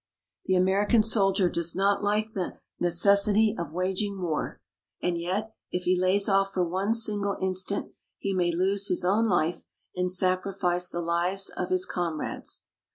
The American soldier does not like the necessity of waging war. And yet if he lays off for one single instant he may lose his own life and sacrifice the lives of his comrades.